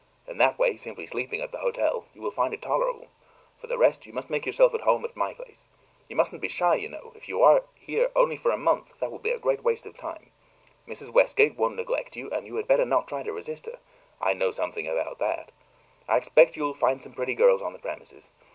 In that way simply sleeping at the hotel you will find it tolerable. For the rest, you must make yourself at home at my place. You mustn't be shy, you know; if you are only here for a month that will be a great waste of time. Mrs. Westgate won't neglect you, and you had better not try to resist her. I know something about that. I expect you'll find some pretty girls on the premises.